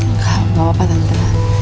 enggak enggak apa apa tante